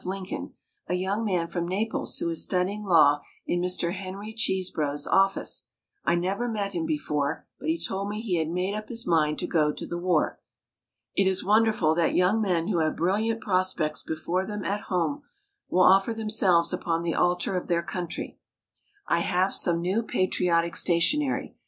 Lincoln, a young man from Naples who is studying law in Mr. Henry Chesebro's office. I never met him before but he told me he had made up his mind to go to the war. It is wonderful that young men who have brilliant prospects before them at home, will offer themselves upon the altar of their country. I have some new patriotic stationery.